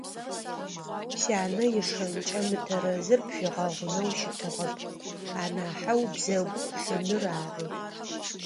Сянэ ишэнкӏэ мытэрэзыр пфигъэгъунэу щытыгъэп, анахьэу бзэгу хьыныр ары!